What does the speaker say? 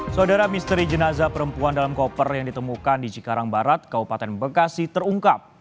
saudara misteri jenazah perempuan dalam koper yang ditemukan di cikarang barat kabupaten bekasi terungkap